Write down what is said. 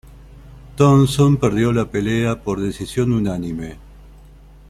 Thompson perdió la pelea por decisión unánime.